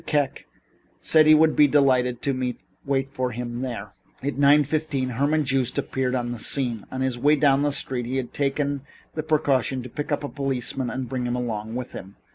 Kek said he would be delighted to wait for him there. At nine fifteen Herman Joost appeared on the scene. On his way down the street he had taken the precaution to pick up a policeman and bring him along with him.